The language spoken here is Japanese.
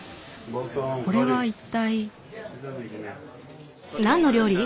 これは一体？